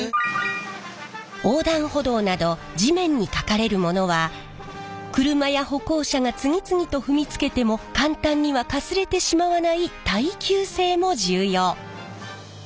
横断歩道など地面にかかれるものは車や歩行者が次々と踏みつけても簡単にはかすれてしまわない耐久性も重要。